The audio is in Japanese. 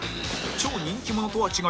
超人気者とは違い